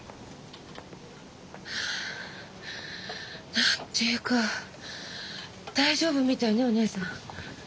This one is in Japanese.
何て言うか大丈夫みたいねお姉さん。